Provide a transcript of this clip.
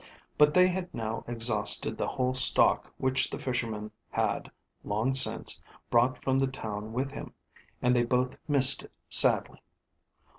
But they had now exhausted the whole stock which the Fisherman had, long since, brought from the town with him and they both missed it sadly.